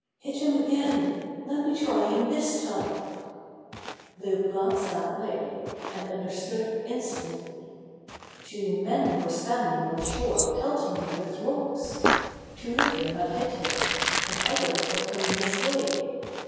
"Hit him again! Let me try him this timeT Loup glanced that way, and understood in stantly, Two men were standing on the shore pelting him with rocks. Two of them had hit him, and others were coming his way.